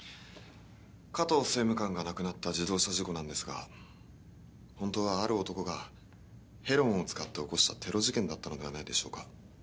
加藤政務官が亡くなった自動車事故なんですが本当はある男がヘロンを使って起こしたテロ事件だったのではないでしょうか？